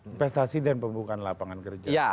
investasi dan pembukaan lapangan kerja